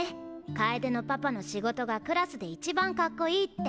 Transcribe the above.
楓のパパの仕事がクラスで一番カッコいいって。